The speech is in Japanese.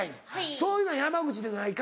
そういうのは山口でないか？